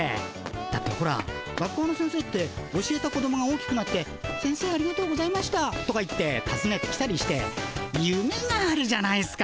だってほら学校の先生って教えた子どもが大きくなって「先生ありがとうございました」とか言ってたずねてきたりしてゆめがあるじゃないっすか。